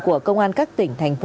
của công an các tỉnh thành phố